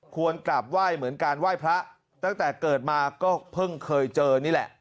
ควรกราบไหว้เหมือนการไหว้พระตั้งแต่เกิดมาก็เพิ่งเคยเจอนี่แหละ